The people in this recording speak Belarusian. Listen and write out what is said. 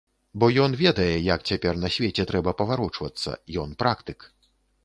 Бо ён ведае, як цяпер на свеце трэба паварочвацца, ён практык.